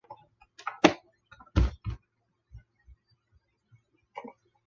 高春育是乂安省演州府东城县高舍总高舍社盛庆村出生。